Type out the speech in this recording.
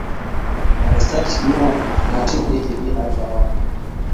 Harsashi nawa mashinga ke iya harbawa?